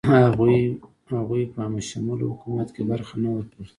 هغوی په همه شموله حکومت کې برخه نه ورکول کیږي.